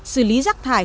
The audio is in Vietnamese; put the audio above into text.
xử lý rác thải